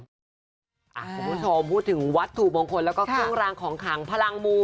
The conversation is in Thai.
คุณผู้ชมพูดถึงวัตถุมงคลแล้วก็เครื่องรางของขังพลังมู